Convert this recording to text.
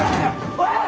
おい！